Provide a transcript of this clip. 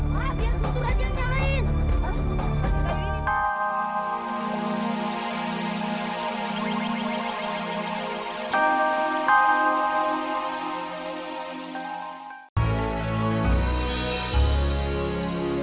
pak biar guntur aja nyalain